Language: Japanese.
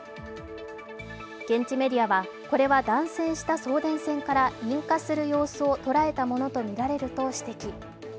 現地メディアはこれは断線した送電線から引火する様子を捉えたものとみられると指摘。